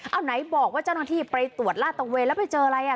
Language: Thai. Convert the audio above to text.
เอาไหนบอกว่าเจ้าหน้าที่ไปตรวจลาดตะเวนแล้วไปเจออะไรอ่ะ